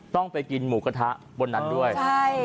ต้องไปกินหมูกระทะบนนั้นด้วยใช่